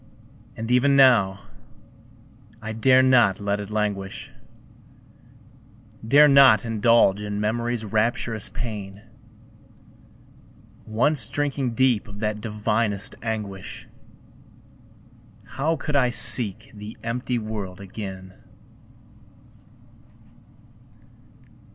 And even now, I dare not let it languish, Dare not indulge in Memory's rapturous pain; Once drinking deep of that divinest anguish, How could I seek the empty world again?